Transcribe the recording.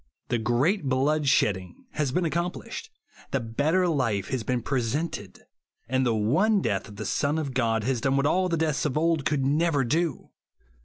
The great blood shedding has been ac complished ; the better life has been pre sented ; and the one death of the Son of God has done what all the deaths of old could never do.